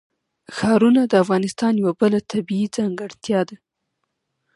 ښارونه د افغانستان یوه بله طبیعي ځانګړتیا ده.